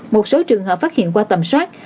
một số trường hợp phát hiện qua tầm soát